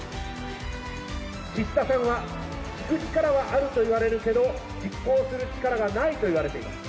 岸田さんは、聞く力はあるといわれるけど、実行する力がないといわれています。